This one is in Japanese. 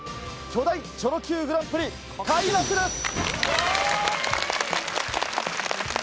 巨大チョロＱグランプリ開幕です！